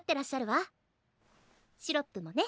シロップもね。